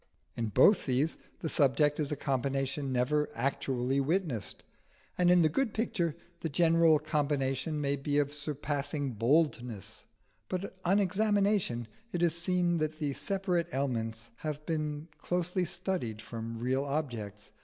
In both these the subject is a combination never actually witnessed, and in the good picture the general combination may be of surpassing boldness; but on examination it is seen that the separate elements have been closely studied from real objects.